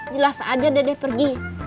jelas saja dedek pergi